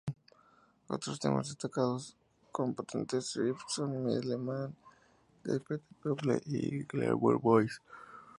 Otros temas destacados, con potentes riffs, son "Middle Man", "Desperate People" y "Glamour Boys".